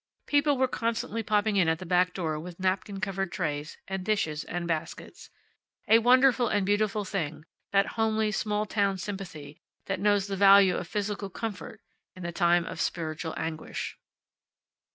People were constantly popping in at the back door with napkin covered trays, and dishes and baskets. A wonderful and beautiful thing, that homely small town sympathy that knows the value of physical comfort in time of spiritual anguish.